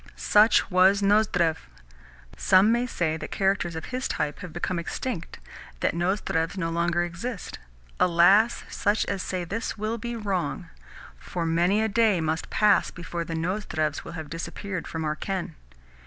Such was Nozdrev. Some may say that characters of his type have become extinct, that Nozdrevs no longer exist. Alas! such as say this will be wrong; for many a day must pass before the Nozdrevs will have disappeared from our ken.